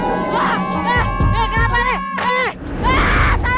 wah eh kenapa nih